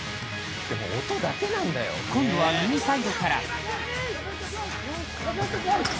今度は右サイドから。